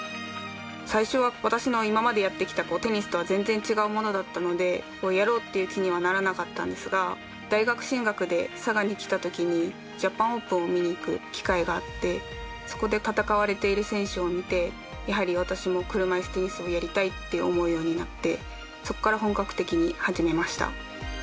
最初は私の今までやってきたテニスとは全然、違うものだったのでやろうっていう気にはならなかったんですが大学進学で佐賀に来たときにジャパンオープンを見に行く機会があってそこで戦われている選手を見てやはり私も車いすテニスをやりたいって思うようになってそこから本格的に始めました。